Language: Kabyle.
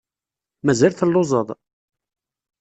Mazal telluẓeḍ?